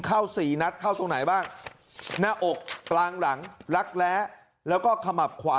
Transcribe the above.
สี่นัดเข้าตรงไหนบ้างหน้าอกกลางหลังรักแร้แล้วก็ขมับขวา